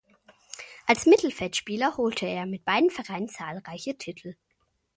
Als Mittelfeldspieler holte er mit beiden Vereinen zahlreiche Titel.